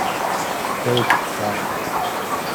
فکر کرد